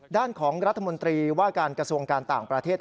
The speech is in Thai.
ด้านของรัฐมนตรีว่าการกระทรวงการต่างประเทศ